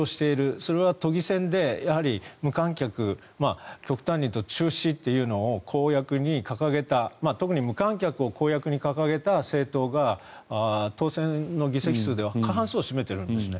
それは都議選で無観客極端にいうと中止というのを公約に掲げた特に無観客を公約に掲げた政党が当選の議席数では過半数を占めてるんですね。